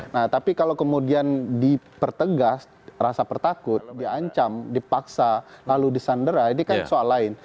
nah tapi kalau kemudian dipertegas rasa pertakut diancam dipaksa lalu disandera ini kan soal lain